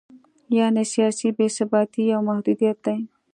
یعنې سیاسي بې ثباتي یو محدودیت دی.